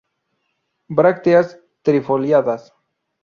Brácteas trifoliadas.